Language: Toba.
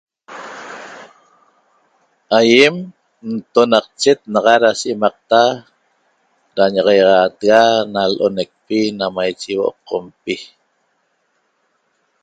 Aýem ntonaqchet naxa da si'imaqta da ña'axaixaatega na l'onecpi na maiche ýihuo' qompi